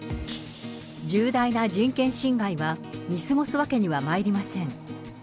重大な人権侵害は見過ごすわけにはまいりません。